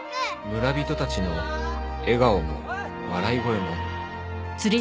村人たちの笑顔も笑い声も